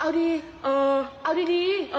เอาดีเออเอาดี